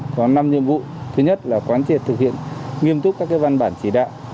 có năm nhiệm vụ thứ nhất là quán triệt thực hiện nghiêm túc các văn bản chỉ đạo